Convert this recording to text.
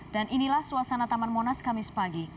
dan inilah suasana taman monas kami sepagi